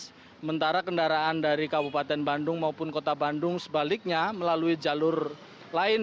sementara kendaraan dari kabupaten bandung maupun kota bandung sebaliknya melalui jalur lain